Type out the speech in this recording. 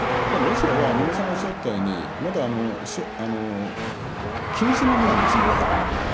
ただ、ロシアは野村さんがおっしゃったように、まだ謹慎のみなんですね、いわゆるね。